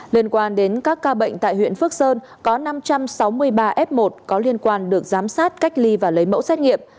liên quan đến các ca bệnh tại huyện phước sơn có năm trăm sáu mươi ba f một có liên quan được giám sát cách ly và lấy mẫu xét nghiệm